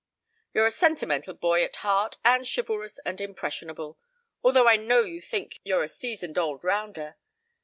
You're a sentimental boy at heart and chivalrous and impressionable, although I know you think you're a seasoned old rounder.